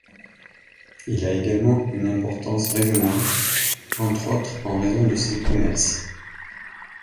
Il a également une importance régionale, entre autres en raison de ses commerces.